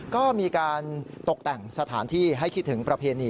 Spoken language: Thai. ก็มีการตกแต่งสถานที่ให้คิดถึงประเพณี